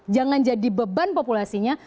jangan jadi beban populasinya